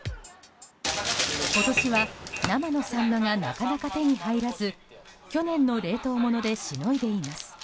今年は、生のサンマがなかなか手に入らず去年の冷凍ものでしのいでいます。